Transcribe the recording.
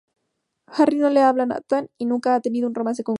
Henry no le habla a Nathan y nunca ha tenido un romance con Wendy.